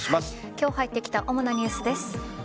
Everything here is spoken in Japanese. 今日入ってきた主なニュースです。